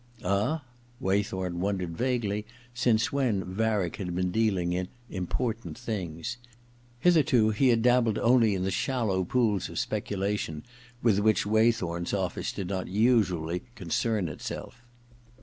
* Ah ?' Waythorn wondered vaguely since when Varick had been dealing in * important things.' Hitherto he had dabbled only in the shallow pools of speculation, with which Way thorn's office did not usually concern itself.